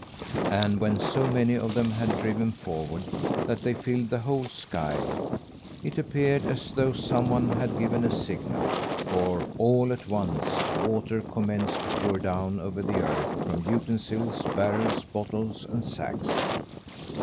And when so many of them had driven forward that they filled the whole sky, it appeared as though someone had given a signal, for all at once, water commenced to pour down over the earth, from utensils, barrels, bottles and sacks.